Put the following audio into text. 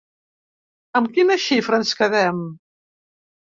Amb quina xifra ens quedem?